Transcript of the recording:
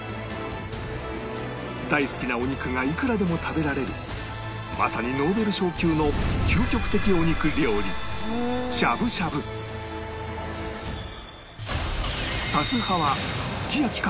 大好きなお肉がいくらでも食べられるまさにノーベル賞級の究極的お肉料理多数派はすき焼きか？